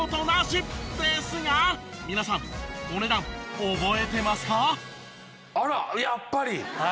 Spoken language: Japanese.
ですが皆さんお値段覚えてますか？